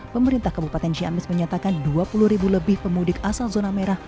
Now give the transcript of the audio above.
pemerintah kabupaten ciamis menyatakan dua puluh ribu lebih pemudik asal zona merah